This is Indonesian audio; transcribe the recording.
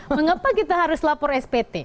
mengapa kita harus lapor spt